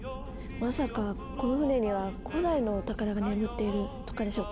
まさかこの船には古代のお宝が眠っているとかでしょうか？